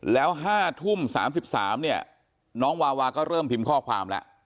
แล้ว๕ทุ่ม๓๓เนี่ยน้องวาวาก็เริ่มพิมพ์ข้อความแล้ว